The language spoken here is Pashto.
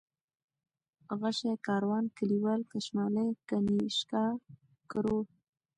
غشى ، کاروان ، کليوال ، کشمالی ، كنيشكا ، کروړ